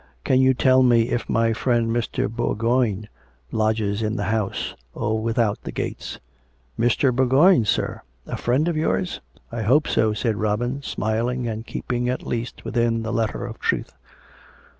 " Can you tell me if my friend Mr. Bourgoign lodges in the house, or without the gates? "" Mr. Bourgoign, sir? A friend of yours? "" I hope so," said Robin, smiling, and keeping at least within the letter of truth.